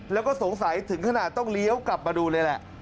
แล้วก็สงสัยถึงขนาดต้องเลี้ยวกลับมาดูเลยแหละ